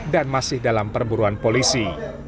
dan masih dalam perburuan polisi